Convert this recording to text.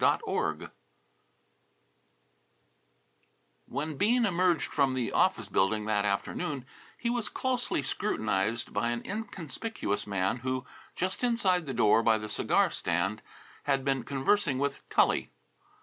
XII When Bean emerged from the office building that afternoon he was closely scrutinized by an inconspicuous man who, just inside the door by the cigar stand, had been conversing with Tully.